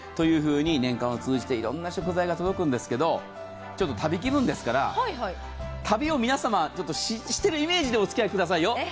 年間を通じていろんな食材が届くんですけど、ちょっと旅気分ですから、旅を皆様しているイメージでお付き合いくださいよ。